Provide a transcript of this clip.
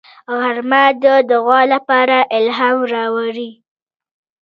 غرمه د دعا لپاره الهام راوړي